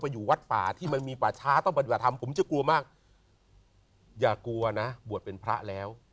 อยู่วัดป่าที่มันมีป่าช้าต้องปฏิบัติธรรมผมจะกลัวมากอย่ากลัวนะบวชเป็นพระแล้ว